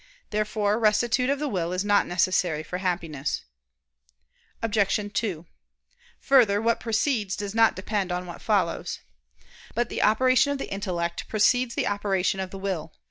Therefore rectitude of the will is not necessary for Happiness. Obj. 2: Further, what precedes does not depend on what follows. But the operation of the intellect precedes the operation of the will.